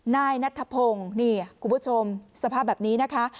นายนัทธพงศ์นี่คุณผู้ชมสภาพแบบนี้นะคะ